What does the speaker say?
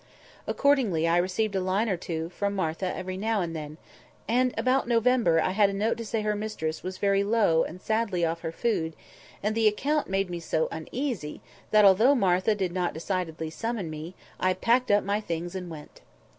Accordingly I received a line or two from Martha every now and then; and, about November I had a note to say her mistress was "very low and sadly off her food"; and the account made me so uneasy that, although Martha did not decidedly summon me, I packed up my things and went.